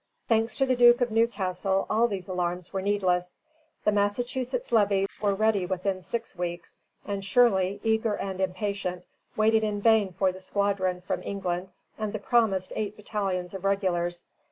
Thanks to the Duke of Newcastle, all these alarms were needless. The Massachusetts levies were ready within six weeks, and Shirley, eager and impatient, waited in vain for the squadron from England and the promised eight battalions of regulars.